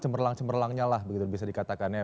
cemerlang cemerlangnya lah bisa dikatakannya